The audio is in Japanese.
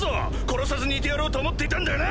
殺さずにいてやろうと思っていたんだがな